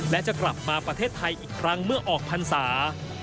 และจะกลับมาประเทศไทยอีกครั้งเมื่อออกพรรษา